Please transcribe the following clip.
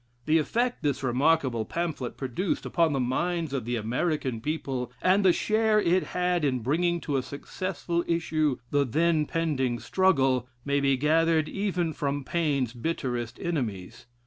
The effect this remarkable pamphlet produced upon the minds of the American people, and the share it had in bringing to a successful issue the then pending struggle, may be gathered even from Paine's bitterest enemies.